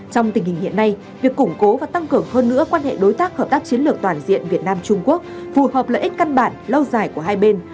trong tình hình hiện nay việc củng cố và tăng cường hơn nữa quan hệ đối tác hợp tác chiến lược toàn diện việt nam trung quốc phù hợp lợi ích căn bản lâu dài của hai bên